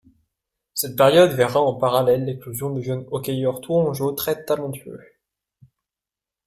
Cette période verra en parallèle l'éclosion de jeunes hockeyeurs tourangeaux très talentueux.